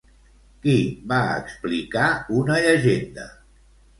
Qui va explicar una llegenda?